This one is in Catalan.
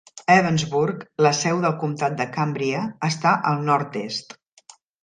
Ebensburg, la seu del comtat de Cambria, està al nord-est.